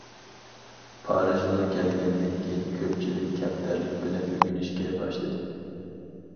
پارىژغا كەلگەندىن كېيىن، كۆپچىلىك كەمتەرلىك بىلەن ئۆگىنىشكە باشلىدى.